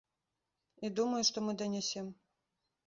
І думаю, што мы данясем.